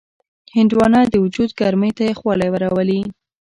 هندوانه د وجود ګرمۍ ته یخوالی راولي.